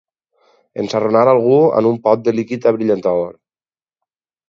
Ensarronar algú amb un pot de líquid abrillantador.